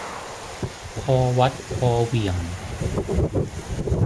พอวัดพอเหวี่ยง